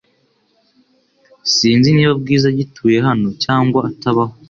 Sinzi niba Bwiza agituye hano cyangwa atabaho